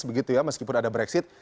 begitu ya meskipun ada brexit